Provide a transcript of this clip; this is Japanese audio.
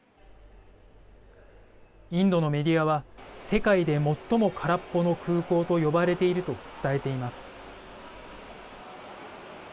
インドのメディアは世界で最も空っぽの空港と呼ばれていると伝えています。